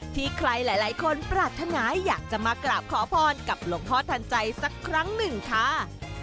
ที่ใครหลายคนปรารถนาอยากจะมากราบขอพรกับหลวงพ่อทันใจสักครั้งหนึ่งค่ะ